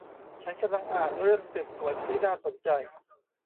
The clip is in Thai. ฉันกำลังอ่านเรื่องสืบสวนที่น่าสนใจ